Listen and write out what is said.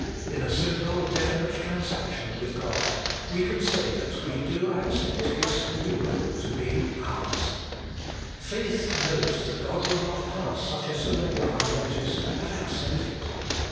In a simple, definite transaction with God, we can say that we do accept His holy will to be HOLINESS AND THE WILL OF GOD. 231 ours. Faith knows that God will not pass such a surrender unnoticed, but accept it.